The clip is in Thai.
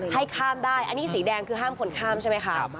ให้ข้ามได้อันนี้สีแดงคือห้ามคนข้ามใช่ไหมคะ